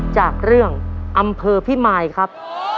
จากเรื่องอำเภอพิมายครับ